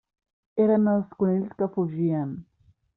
Eren els conills que fugien.